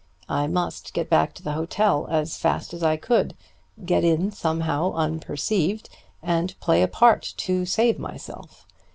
I must get back to the hotel as fast as I could, get in somehow unperceived, and play a part to save myself.